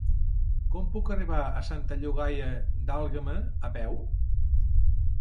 Com puc arribar a Santa Llogaia d'Àlguema a peu?